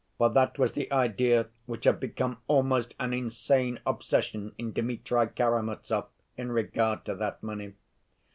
For that was the idea which had become almost an insane obsession in Dmitri Karamazov in regard to that money.